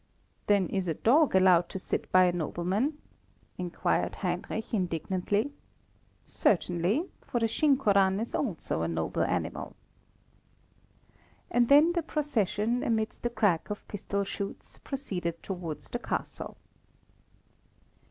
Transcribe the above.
"Then is a dog allowed to sit down by a nobleman?" inquired Heinrich, indignantly. "Certainly, for the sinkorán is also a noble animal." And then the procession, amidst the crack of pistol shots, proceeded towards the castle.